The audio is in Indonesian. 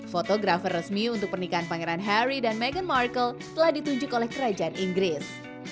fotografer resmi untuk pernikahan pangeran harry dan meghan markle telah ditunjuk oleh kerajaan inggris